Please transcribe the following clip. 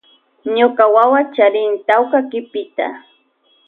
Ñuka wawa charin tawka kipita.